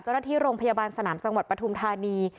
เจ้าหน้าที่โรงพยาบาลสนามจังหวัดปฐุมธานี